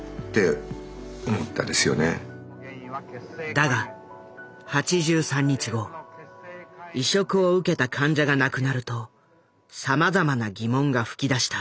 だが８３日後移植を受けた患者が亡くなるとさまざまな疑問が噴き出した。